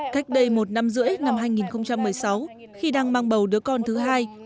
cách đây một năm rưỡi năm hai nghìn một mươi sáu khi đang mang bầu đứa con thứ hai